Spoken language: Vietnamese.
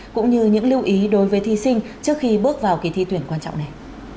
cũng như những lưu ý đối với thí sinh trước khi bước vào kỳ thi tuyển quan trọng này